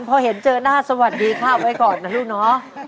พอเห็นเจอหน้าสวัสดีค่ะไว้ก่อนนะลูกเนาะ